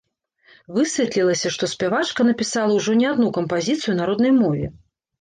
Высветлілася, што спявачка напісала ўжо не адну кампазіцыю на роднай мове.